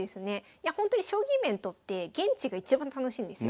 いやほんとに将棋イベントって現地が一番楽しいんですよ。